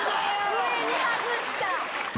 上に外した。